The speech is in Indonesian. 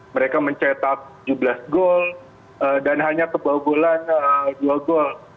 mereka mencetak tujuh belas gol dan hanya kebau bola dua gol